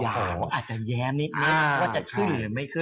เขาอาจจะแย้มนิดว่าจะขึ้นหรือไม่ขึ้น